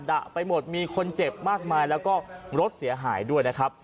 ดะไปหมดมีคนเจ็บมากมายแล้วก็รถเสียหายด้วยนะครับ